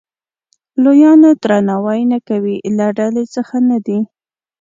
لویانو درناوی نه کوي له ډلې څخه نه دی.